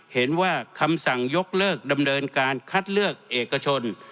เห็นว่าคำสั่งยกเลิกดำเนินการคัดเลือกเอกชน